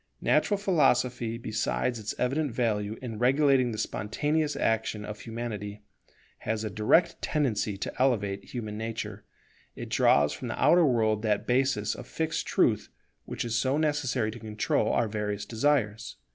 Natural philosophy, besides its evident value in regulating the spontaneous action of Humanity, has a direct tendency to elevate human nature; it draws from the outer world that basis of fixed truth which is so necessary to control our various desires.